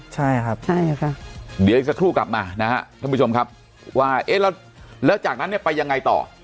ใช่ครับเดี๋ยวอีกสักครู่กลับมานะครับท่านผู้ชมครับแล้วจากนั้นเนี่ยไปยังไงต่อ